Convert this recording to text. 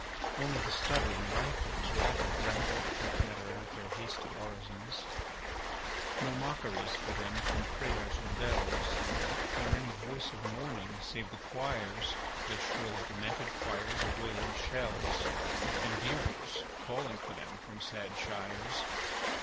Only the stuttering rifles' rapid rattle Can patter out their hasty orisons. No mockeries for them from prayers or bells, Nor any voice of mourning save the choirs The shrill, demented choirs of wailing shells; And bugles calling for them from sad shires.